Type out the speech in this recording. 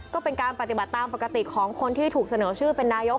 ก็เป็นการปฏิบัติตามปกติของคนที่ถูกเสนอชื่อเป็นนายก